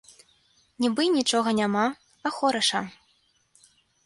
Нібы й нічога няма, а хораша.